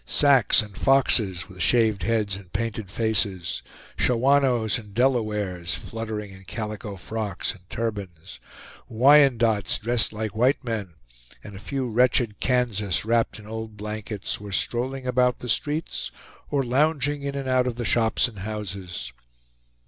Sacs and Foxes, with shaved heads and painted faces, Shawanoes and Delawares, fluttering in calico frocks, and turbans, Wyandottes dressed like white men, and a few wretched Kansas wrapped in old blankets, were strolling about the streets, or lounging in and out of the shops and houses.